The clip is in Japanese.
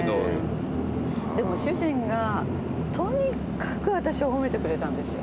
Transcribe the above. でも主人がとにかく私を褒めてくれたんですよ。